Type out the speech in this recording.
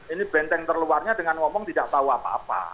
ini benteng terluarnya dengan ngomong tidak tahu apa apa